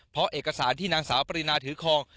เพราะเอกสารที่นางสาวปรินาถือคลอง